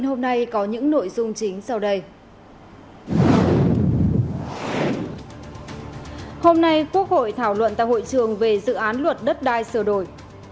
hôm nay quốc hội thảo luận tại hội trường về dự án luật đất đai sửa đổi